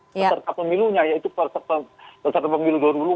peserta pemilunya yaitu peserta pemilu dua ribu empat